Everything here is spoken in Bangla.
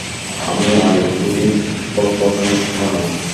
আমি আর এই ইহুদীর বকবকানি শুনব না।